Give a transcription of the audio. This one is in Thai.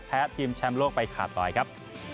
ทีมแชมป์โลกไปขาดรอยครับ